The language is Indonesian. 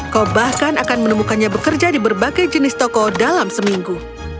kau bahkan akan menemukannya bekerja di berbagai jenis toko dalam seminggu